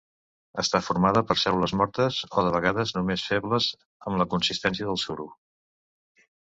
Està formada per cèl·lules mortes, o de vegades només febles, amb la consistència del suro.